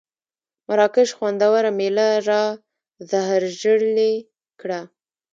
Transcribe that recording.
مراکش خوندوره مېله را زهرژلې کړه.